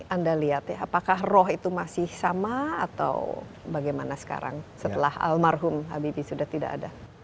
anda lihat ya apakah roh itu masih sama atau bagaimana sekarang setelah almarhum habibie sudah tidak ada